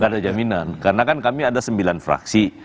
tidak ada jaminan karena kan kami ada sembilan fraksi